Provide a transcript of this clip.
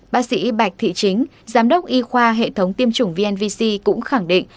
bác sĩ bạch thị chính giám đốc y khoa hệ thống tiêm chủng vnvc cũng khẳng định